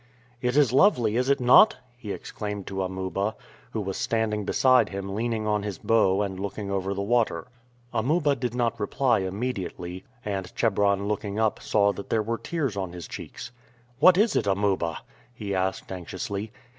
"It is lovely, is it not?" he exclaimed to Amuba, who was standing beside him leaning on his bow and looking over the water. Amuba did not reply immediately, and Chebron looking up saw that there were tears on his cheeks. "What is it, Amuba?" he asked anxiously.